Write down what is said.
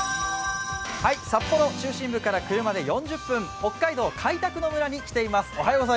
札幌中心部から車で４０分、北海道開拓の村に来ています。